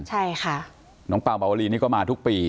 ใช่ค่ะน้องปาวปาววาลีนี่ก็มาทุกปี